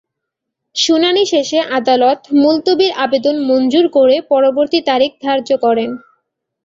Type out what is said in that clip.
শুনানি শেষে আদালত মুলতবির আবেদন মঞ্জুর করে পরবর্তী তারিখ ধার্য করেন।